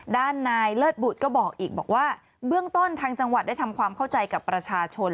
ด้านนายเลิศบุตรก็บอกอีกบอกว่าเบื้องต้นทางจังหวัดได้ทำความเข้าใจกับประชาชน